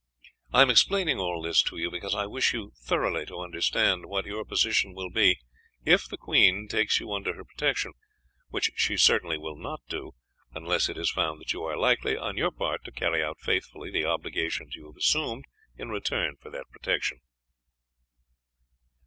I am explaining all this to you because I wish you thoroughly to understand what your position will be if the Queen takes you under her protection which she certainly will not do unless it is found that you are likely, on your part, to carry out faithfully the obligations you have assumed in return for that protection."